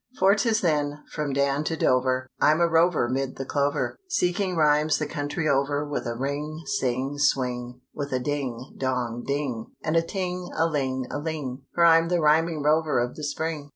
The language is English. For 'tis then, from Dan to Dover, I'm a rover 'mid the clover, Seeking rhymes the country over With a ring, sing, swing With a ding, dong, ding, And a ting a ling a ling For I'm the rhyming rover of the spring.